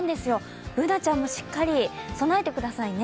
Ｂｏｏｎａちゃんもしっかり備えてくださいね。